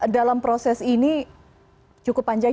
dalam proses ini cukup panjang